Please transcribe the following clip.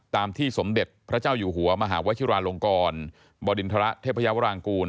ตามที่สมเด็จพระเจ้าอยู่หัวมหาวชิราลงกรบริณฑระเทพยาวรางกูล